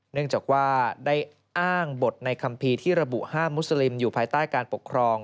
เนื่องจากว่าได้อ้างบทในคัมภีร์ที่ระบุห้ามมุสลิมอยู่ภายใต้การปกครอง